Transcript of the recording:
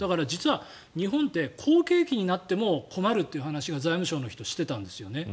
実は日本って好景気になっても困るという話を財務省の人がしてたんです。